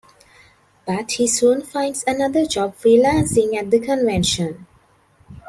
But he soon finds another job free-lancing at the Convention.